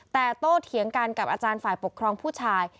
แต่โตเถียงกันกับอาจารย์ฝ่ายปกครองผู้ชาย